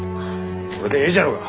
それでえいじゃろうが！